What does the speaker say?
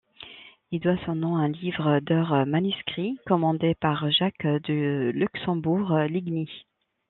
Il doit son nom à un livre d'heures manuscrits commandé par Jacques de Luxembourg-Ligny.